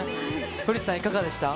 古市さん、いかがでしたか？